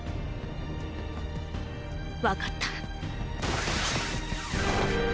わかった。